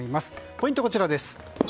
ポイントはこちらです。